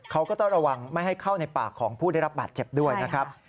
เขาก็ต้องระวังไม่ให้เข้าในปากของผู้ได้รับบาดเจ็บด้วยนะครับ